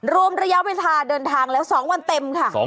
รวมระยะเวลาเดินทางแล้ว๒วันเต็มค่ะ